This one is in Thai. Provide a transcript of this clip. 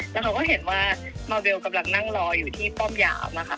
แล้วเขาก็เห็นว่ามาเวลกำลังนั่งรออยู่ที่ป้อมยามนะคะ